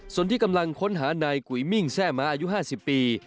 ส่วนที่กำลังค้นหานายกุยมิ่งแซ่ม้าอายุ๕๐ปี